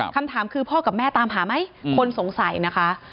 คำถามคือพ่อกับแม่ตามหาไหมคนสงสัยนะคะ